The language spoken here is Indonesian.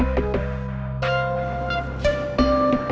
ya baik bu